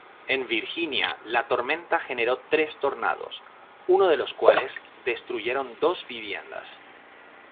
En Virginia, la tormenta generó tres tornados, uno de los cuales destruyeron dos viviendas.